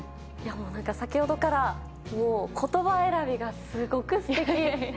なんか、先ほどからもうことば選びがすごく詩的。